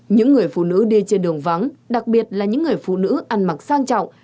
những người phụ nữ đi trên đường vắng đặc biệt là những người phụ nữ ăn mặc sang trọng